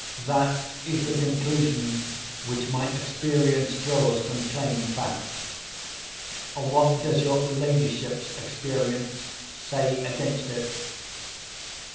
That is the conclusion which my experience draws from plain facts. What does your ladyship's experience say against it?"